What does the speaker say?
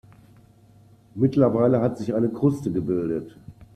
Mittlerweile hat sich eine Kruste gebildet.